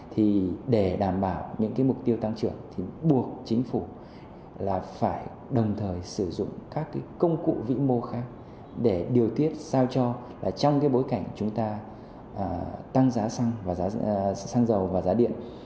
thì để đảm bảo những mục tiêu tăng trưởng thì buộc chính phủ là phải đồng thời sử dụng các công cụ vĩ mô khác để điều tiết sao cho là trong cái bối cảnh chúng ta tăng giá xăng và giá xăng dầu và giá điện